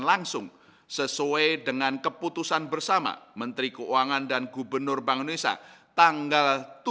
langsung sesuai dengan keputusan bersama menteri keuangan dan gubernur bank indonesia tanggal